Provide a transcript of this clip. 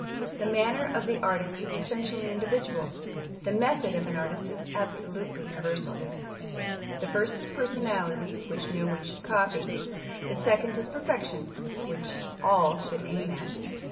The manner of an artist is essentially individual, the method of an artist is absolutely universal. The first is personality, which no one should copy; the second is perfection, which all should aim at.